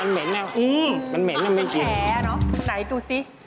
มันเหม้นด้วยไม่จริงล้อใช่หรือคะไหนดูสิ